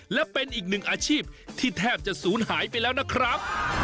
และเป็นอีกหนึ่งอาชีพที่แทบจะศูนย์หายไปแล้วนะครับ